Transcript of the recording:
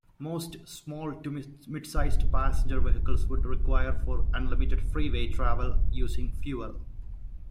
Most small to midsized passenger vehicles would require for unlimited freeway travel using fuel.